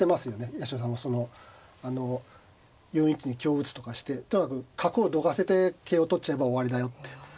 八代さんもそのあの４一に香打つとかしてとにかく角をどかせて桂を取っちゃえば終わりだよって。